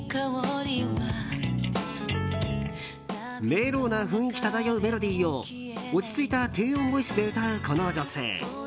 メロウな雰囲気漂うメロディーを落ち着いた低音ボイスで歌うこの女性。